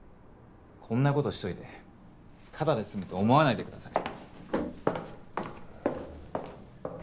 こんなことしといてタダで済むと思わないでください。